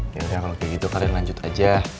ya udah kalau begitu kalian lanjut aja